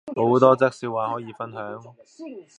好多則笑話可以分享